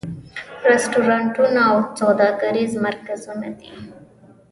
رستورانتونه او سوداګریز مرکزونه دي.